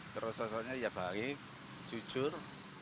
terus sosoknya ya baik jujur